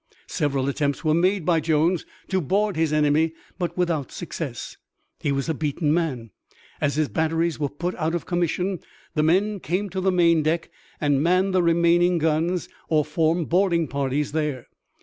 Several attempts were made by Jones to board his enemy but without success. He was a beaten man. As his batteries were put out of commission, the men came to the main deck and manned the remaining guns, or formed boarding parties there.